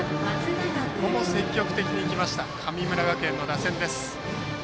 ここも積極的に行きました神村学園の打線。